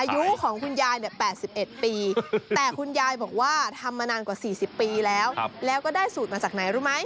อายุของคุณยาย๘๑ปีแต่คุณยายบอกว่าทำมานานกว่า๔๐ปีแล้วแล้วก็ได้สูตรมาจากไหนรู้ไหม